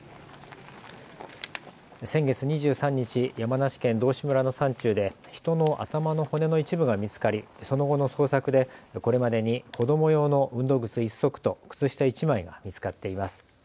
先月２３日、山梨県道志村の山中で人の頭の骨の一部が見つかりその後の捜索でこれまでに子ども用の運動靴１足と靴下１枚が見つかっています。